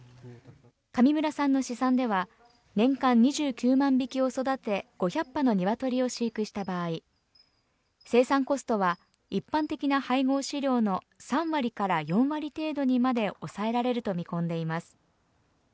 上村さんの試算では年間２９万匹を育て、５００羽の鶏を飼育した場合生産コストは、一般的な配合飼料の３割から４割程度にまで抑えられると見込んでいます。